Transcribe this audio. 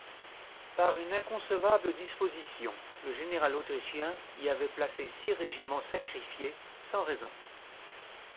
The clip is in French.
Par une inconcevable disposition, le général autrichien y avait placé six régiments sacrifiés sans raison.